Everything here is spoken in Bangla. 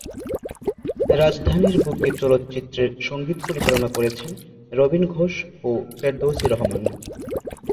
রাজধানীর বুকে চলচ্চিত্রের সঙ্গীত পরিচালনা করেছেন রবিন ঘোষ ও ফেরদৌসী রহমান।